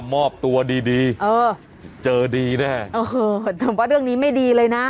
มอบตัวดีดีเออเจอดีแน่เออแต่ว่าเรื่องนี้ไม่ดีเลยนะ